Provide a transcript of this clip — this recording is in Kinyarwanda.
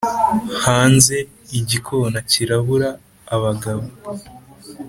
hanze, igikona cyirabura, abagabo